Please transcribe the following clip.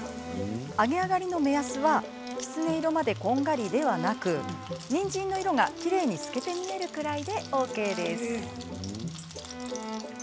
揚げ上がりの目安はきつね色までこんがりではなくにんじんの色が、きれいに透けて見えるくらいでＯＫ。